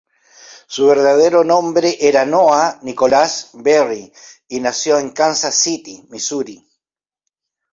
Su verdadero nombre era Noah Nicholas Beery, y nació en Kansas City, Missouri.